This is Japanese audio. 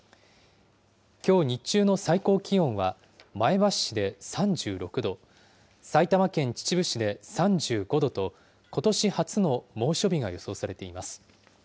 きょう日中の最高気温は、前橋市で３６度、埼玉県秩父市で３５度と、ことし初の猛暑日が予想されています。